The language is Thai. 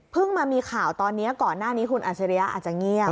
มามีข่าวตอนนี้ก่อนหน้านี้คุณอัชริยะอาจจะเงียบ